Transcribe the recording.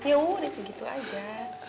ya udah segitu aja